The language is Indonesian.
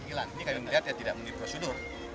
ini kami melihat ya tidak menurut prosedur